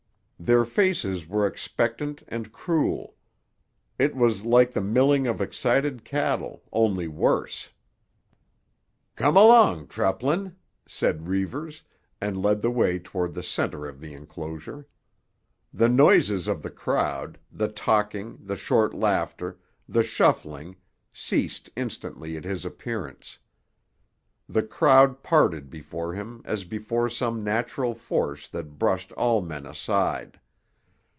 Their faces were expectant and cruel. It was like the milling of excited cattle, only worse. "Come along, Treplin," said Reivers, and led the way toward the centre of the enclosure. The noises of the crowd, the talking, the short laughter, the shuffling, ceased instantly at his appearance. The crowd parted before him as before some natural force that brushed all men aside.